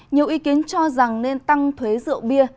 nhiều ý kiến cho rằng nên tăng thuế rượu bia